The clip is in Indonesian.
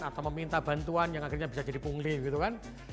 atau meminta bantuan yang akhirnya bisa jadi pungli gitu kan